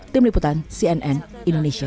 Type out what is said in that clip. tim liputan cnn indonesia